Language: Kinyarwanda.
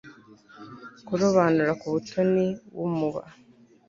kurobanura ku butoni w muba